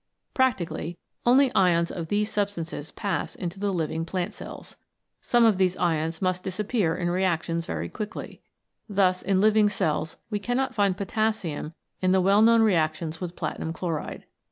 Practically only ions of these substances pass into the living plant cells. Some of these ions must dis appear in reactions very quickly. Thus in living cells we cannot find potassium in the well known reactions with platinum chloride.